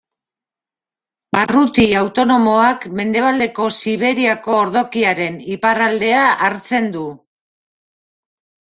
Barruti autonomoak Mendebaldeko Siberiako ordokiaren iparraldea hartzen du.